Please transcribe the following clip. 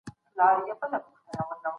زه هره ورځ زدکړه کوم.